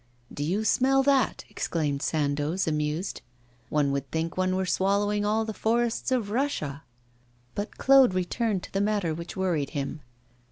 'Do you smell that?' exclaimed Sandoz, amused; 'one would think one were swallowing all the forests of Russia.' But Claude returned to the matter which worried him.